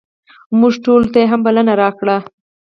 موږ ټولو ته یې هم بلنه راکړه.